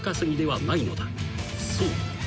［そう］